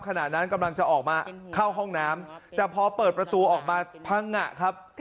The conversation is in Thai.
ขณะนั้นกำลังจะออกมาเข้าห้องน้ำแต่พอเปิดประตูออกมาพังงะครับ